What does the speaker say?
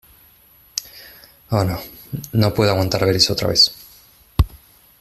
Oh, no , no puedo aguantar ver eso otra vez.